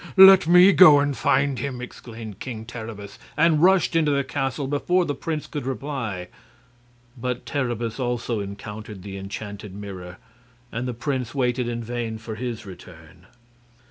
"Let me go and find him!" exclaimed King Terribus, and rushed into the castle before the prince could reply. But Terribus also encountered the enchanted mirror, and the prince waited in vain for his return.